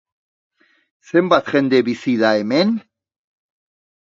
Zenbat jende bizi da hemen?